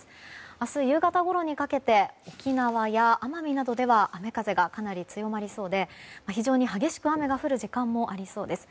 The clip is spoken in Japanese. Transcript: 明日夕方ごろにかけて沖縄や奄美などでは雨風がかなり強まりそうで非常に激しく雨が降る時間もありそうです。